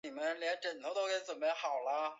牲川步见在磐田山叶青训出身。